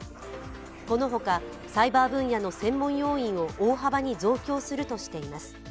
このほかサイバー分野の専門要員を大幅に増強するとしています。